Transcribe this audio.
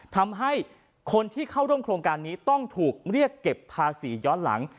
ทำให้คนที่เข้าร่วมโครงการนี้ต้องถูกเรียกเก็บภาษีย้อนหลัง